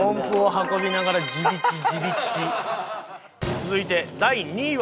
続いて第２位は。